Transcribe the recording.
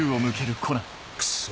クソ！